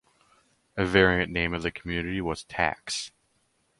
A variant name of the community was "Tax".